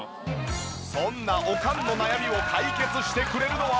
そんなおかんの悩みを解決してくれるのは。